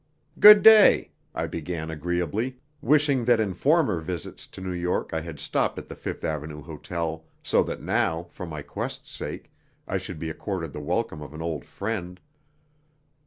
"Good day," I began agreeably, wishing that in former visits to New York I had stopped at the Fifth Avenue Hotel, so that now, for my quest's sake, I should be accorded the welcome of an old friend.